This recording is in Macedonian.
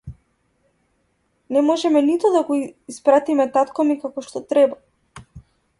Не можеме ниту да го испpaтиме тaткo ми како што треба